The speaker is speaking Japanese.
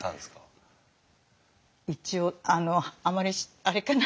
一応あのあまりあれかな。